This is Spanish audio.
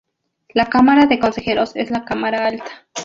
La Cámara de Consejeros es la Cámara alta.